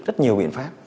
rất nhiều biện pháp